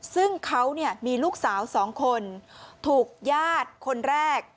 ซึ่งเขาเนี่ยมีลูกสาวสองคนถูกญาติคนแรก